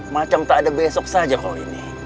macam tak ada besok saja kalau ini